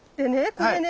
これね